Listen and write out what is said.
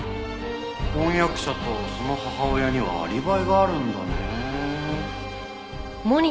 婚約者とその母親にはアリバイがあるんだね。